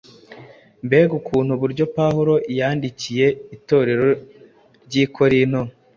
Mbega uko uburyo Pawulo yandikiye Itorero ry’i Korinto